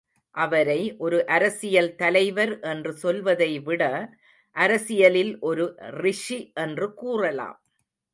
அவரை ஒரு அரசியல் தலைவர் என்று சொல்வதைவிட அரசியலில் ஒரு ரிஷி என்று கூறலாம்.